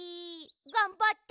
がんばって！